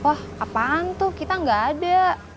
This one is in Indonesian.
wah apaan tuh kita gak ada